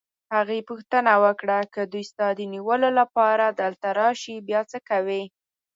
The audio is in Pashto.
هغې پوښتنه وکړه: که دوی ستا د نیولو لپاره دلته راشي، بیا څه کوې؟